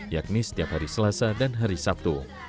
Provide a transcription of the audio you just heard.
yakni setiap hari selasa dan hari sabtu